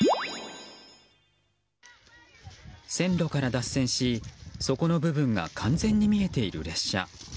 線路から脱線し、底の部分が完全に見えている列車。